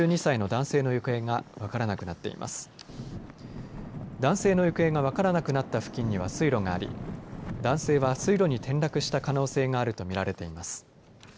男性の行方が分からなくなった付近には水路があり男性は水路に転落したおそれがあると見られています。